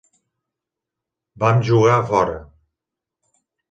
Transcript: Vam jugar a fora.